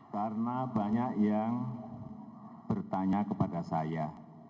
karena banyak yang bertanya kepada saya